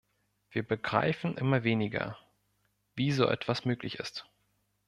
Wir begreifen immer weniger, wie so etwas möglich ist.